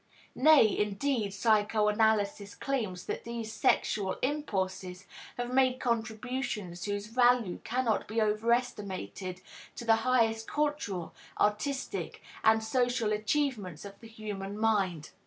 Nay, indeed, psychoanalysis claims that these same sexual impulses have made contributions whose value cannot be overestimated to the highest cultural, artistic and social achievements of the human mind.